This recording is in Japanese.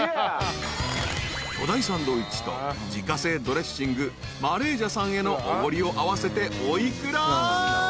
［巨大サンドイッチと自家製ドレッシングマレージャさんへのおごりを合わせてお幾ら？］